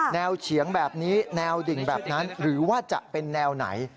เฉียงแบบนี้แนวดิ่งแบบนั้นหรือว่าจะเป็นแนวไหน